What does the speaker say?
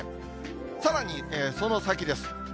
さらにその先です。